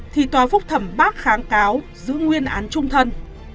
thì tòa phúc thẩm bác kháng cáo giữ nguyên án trung thân